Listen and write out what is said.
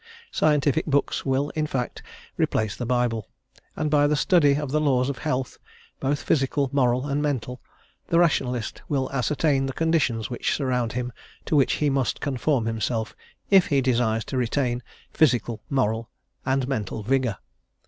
Scientific books will, in fact, replace the Bible, and by the study of the laws of health, both physical, moral, and mental, the Rationalist will ascertain the conditions which surround him to which he must conform himself if he desires to retain physical, moral, and mental vigour.